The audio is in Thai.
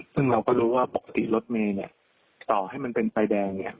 ซึ่งเราก็รู้ว่าปกติรถเมย์ต่อให้มันเป็นไฟแดง